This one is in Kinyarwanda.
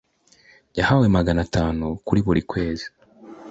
Yahawe Magana atanu kuri buri kwezi